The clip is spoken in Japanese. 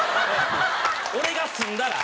俺が住んだら？